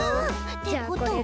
ってことは。